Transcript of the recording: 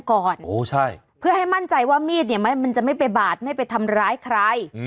ก่อนเพื่อให้มั่นใจว่ามีดเนี่ยมันจะไม่ไปบาดไม่ไปทำร้ายใคร